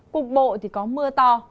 cục bộ thì có mưa to